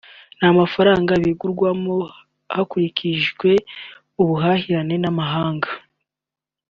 n’amafaranga bigurwamo hakurikijwe ubuhahirane n’amahanga